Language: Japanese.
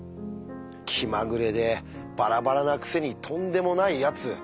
気まぐれでバラバラなくせにとんでもないやつ。